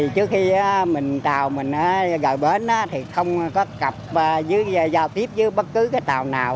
trước khi là mình trào mình đã gời bến thì không gặp giao tiếp với bất cứ cái tàu nào